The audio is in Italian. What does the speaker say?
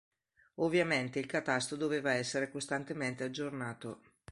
Ovviamente il catasto doveva essere costantemente aggiornato.